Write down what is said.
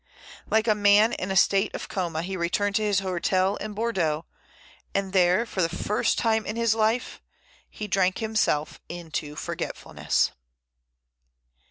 Like a man in a state of coma he returned to his hotel in Bordeaux, and there, for the first time in his life, he drank himself into forgetfulness.